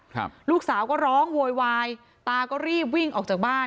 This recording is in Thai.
ครับลูกสาวก็ร้องโวยวายตาก็รีบวิ่งออกจากบ้าน